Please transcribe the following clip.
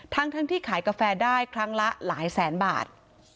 ทั้งที่ขายกาแฟได้ครั้งละหลายแสนบาท